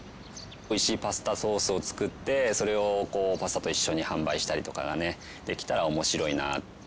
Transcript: おいしいパスタソースを作ってそれをパスタと一緒に販売したりとかねできたら面白いな。